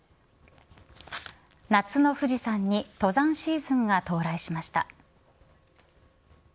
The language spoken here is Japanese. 夏の富士山に登山シーズンが到来しました。